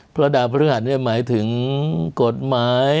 เพราะดาวพฤหัสหมายถึงกฎหมาย